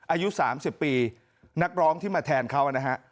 อายุ๓๐ปีนักร้องที่มาแทนเขานะฮะ